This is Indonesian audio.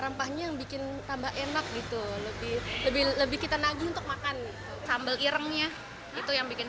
rempahnya yang bikin tambah enak gitu lebih lebih kita nagu untuk makan sambal irengnya itu yang bikin